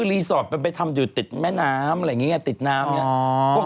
อีสอร์ตไปทำอยู่ติดแม่น้ำอะไรอย่างนี้ติดน้ำอย่างนี้